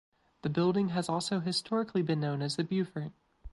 The building has also historically been known as The Beaufort.